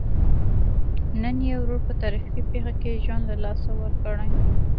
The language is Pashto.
نن یې ورور په ترافیکي پېښه کې ژوند له لاسه ورکړی.